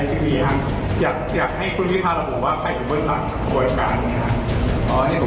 เพื่อเหตุผลทางธุรกิจของผู้บริหารเองหรือจะฟื้นพื้นชีพมาเพื่อเหตุผลทางการเชื่อมือสถานการณ์ผม